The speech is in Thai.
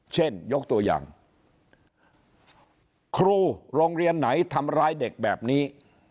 ยกตัวอย่างครูโรงเรียนไหนทำร้ายเด็กแบบนี้